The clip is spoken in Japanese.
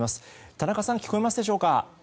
田中さん聞こえますでしょうか？